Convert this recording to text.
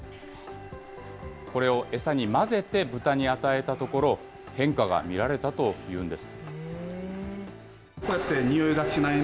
これを餌に混ぜて豚に与えたところ、変化が見られたというんです。